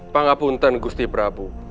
pangapunten gusti prabu